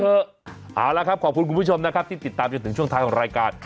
เอาละครับขอบคุณคุณผู้ชมนะครับที่ติดตามจนถึงช่วงท้ายของรายการ